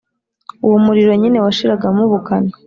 uwo muriro nyine washiragamo ubukana.